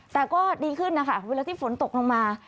แต่ก็ดีขึ้นนะคะเวลาที่ฝนตกลงมา